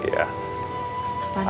kayaknya emang sehati ya